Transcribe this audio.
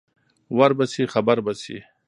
ور به شې خبر به شې.